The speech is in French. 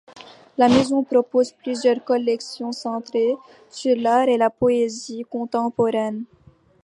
La maison propose plusieurs collections, centrées sur l'art et la poésie contemporaine.